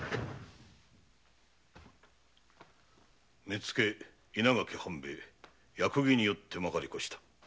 目付・稲垣半兵衛役儀によってまかりこした。